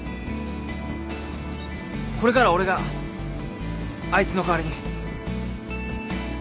これからは俺があいつの代わりに。